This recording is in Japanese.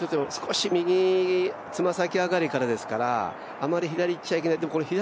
少し右、爪先上がりからですからあまり左いっちゃいけない。